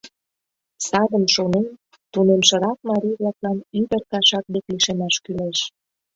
Садым шонен, тунемшырак марий-влаклан ӱдыр кашак дек лишемаш кӱлеш.